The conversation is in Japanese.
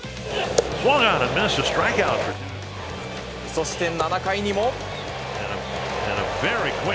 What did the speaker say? そして７回にも。